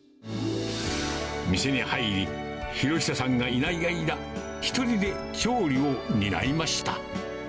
店に入り、浩久さんがいない間、１人で調理を担いました。